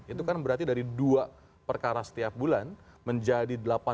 itu kan berarti dari dua perkara setiap bulan menjadi delapan